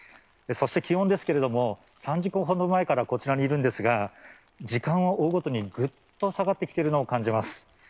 そして、気温ですけれども、３時間ほど前からこちらにいるんですが、時間を追うごとにぐっと下がってきているのを感じます。